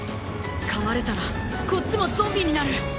かまれたらこっちもゾンビになる。